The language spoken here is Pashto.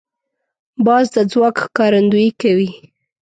باز د ځواک ښکارندویي کوي